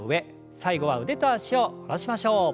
最後は腕と脚を戻しましょう。